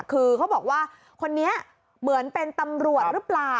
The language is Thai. คือเขาบอกว่าคนนี้เหมือนเป็นตำรวจหรือเปล่า